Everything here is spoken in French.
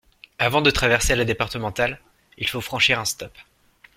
Avant de traverser la départementale, il faut franchir un stop.